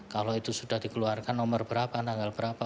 kalau itu sudah dikeluarkan nomor berapa tanggal berapa